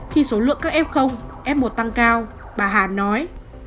khi số lượng các f f một tăng cao bà hà nói